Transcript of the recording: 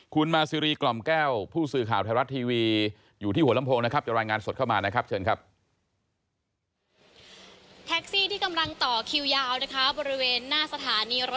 คุณมาซิริกล่อมแก้วผู้สื่อข่าวไทยรัฐทีวี